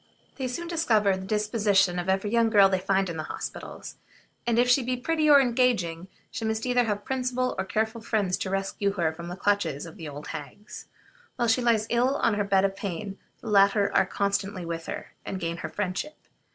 They soon discover the antecedents and disposition of every young girl they find in hospitals; and if she be pretty or engaging, she must either have much principle or careful friends to rescue her from the clutches of the old hags. While she lies ill on a bed of pain, the latter are constantly with her, and gain her friendship.